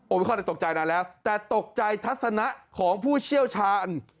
ไม่ค่อยได้ตกใจนานแล้วแต่ตกใจทัศนะของผู้เชี่ยวชาญ